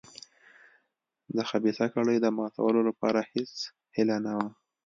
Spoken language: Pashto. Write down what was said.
د خبیثه کړۍ د ماتولو لپاره هېڅ هیله نه وه.